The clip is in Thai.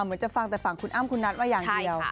เหมือนจะฟังแต่ฝั่งคุณอ้ำคุณนัทว่าอย่างเดียว